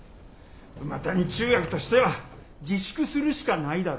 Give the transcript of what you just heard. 梅谷中学としては自粛するしかないだろ。